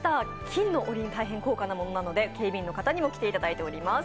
金のおりん、大変高価なものでございますのです、警備員の方にも来ていただいております。